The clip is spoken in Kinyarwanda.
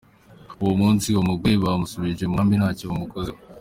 Uwo munsi uwo mugore bamusubije mu nkambi ntacyo bamukozeho.